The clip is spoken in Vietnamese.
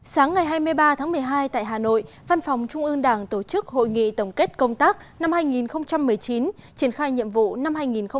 sáng ngày hai mươi ba tháng một mươi hai tại hà nội văn phòng trung ương đảng tổ chức hội nghị tổng kết công tác năm hai nghìn một mươi chín triển khai nhiệm vụ năm hai nghìn hai mươi